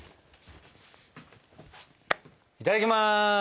いただきます。